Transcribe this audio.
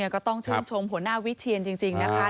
ก็ต้องชั่วโชคของหัวหน้าวิเชียนนะคะ